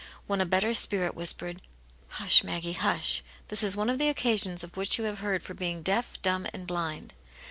when a better spirit whispered, " Hush, Maggie, hush ; this is one of the occasions of which you have heard for being deaf, dumb, and blind."